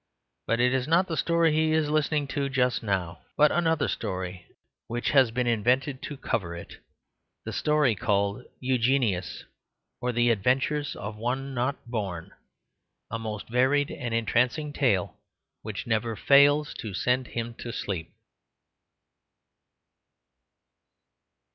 But it is not the story he is listening to just now, but another story which has been invented to cover it the story called "Eugenius: or the Adventures of One Not Born," a most varied and entrancing tale, which never fails to send him to sleep.